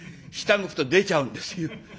下向くと出ちゃうんですよ」。